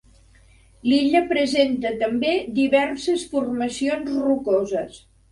L'illa presenta també diverses formacions rocoses.